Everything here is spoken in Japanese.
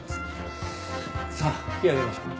さあ引き揚げましょう。